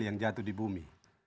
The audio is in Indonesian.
itu di bumi